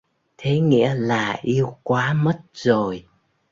Thế nghĩa là yêu quá mất rồi